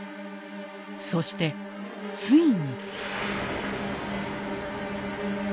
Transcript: そしてついに。